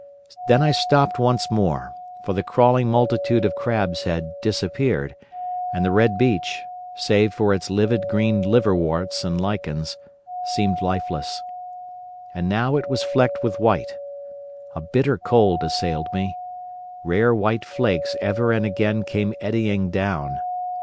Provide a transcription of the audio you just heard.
Then I stopped once more, for the crawling multitude of crabs had disappeared, and the red beach, save for its livid green liverworts and lichens, seemed lifeless. And now it was flecked with white. A bitter cold assailed me. Rare white flakes ever and again came eddying down.